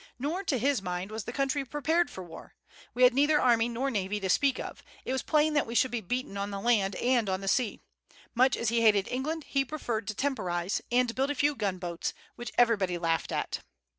Nor, to his mind, was the country prepared for war. We had neither army nor navy to speak of. It was plain that we should be beaten on the land and on the sea. Much as he hated England, he preferred to temporize, and build a few gunboats, which everybody laughed at.